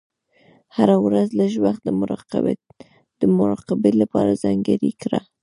هره ورځ لږ وخت د مراقبې لپاره ځانګړی کړه.